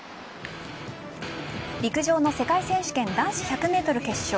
陸上の世界選手権男子１００ｍ決勝。